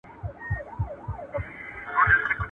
ژوند په کلي کې سره له ټولو سختیو یو ډول سکون لري.